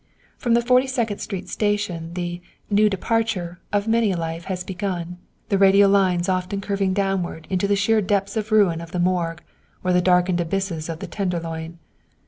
From the Forty second Street Station the "new departure" of many a life has begun, the radial lines often curving downward into the sheer depths of ruin of the Morgue, or the darkened abysses of the Tenderloin.